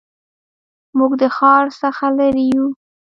موږ د ښار څخه لرې یو